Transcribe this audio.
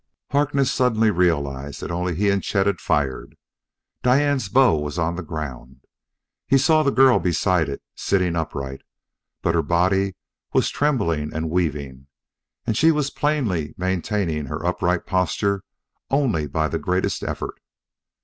Harkness suddenly realized that only he and Chet had fired. Diane's bow was on the ground. He saw the girl beside it, sitting upright; but her body was trembling and weaving, and she was plainly maintaining her upright posture only by the greatest effort.